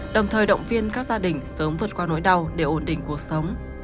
đồng thời động viên các gia đình sớm vượt qua nỗi đau để ổn định cuộc sống